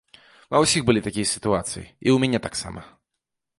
Ва ўсіх былі такія сітуацыі, і у мяне таксама.